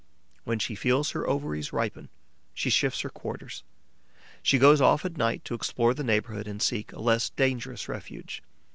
When she feels her ovaries ripen, she shifts her quarters; she goes off at night to explore the neighbourhood and seek a less dangerous refuge.